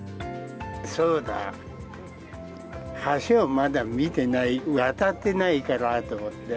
そうだ、橋をまだ見てない、渡ってないかなと思って。